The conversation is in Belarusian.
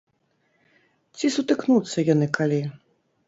Ці сутыкнуцца яны калі?